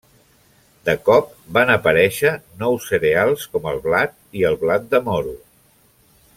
De cop, van aparèixer nous cereals com el blat i el blat de moro.